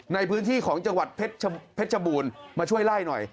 ในพื้นที่ของจังหวัดเพชรชบูรณ์มาช่วยไล่หน่อย